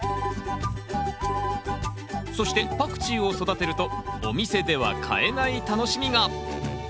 そしてパクチーを育てるとお店では買えない楽しみが！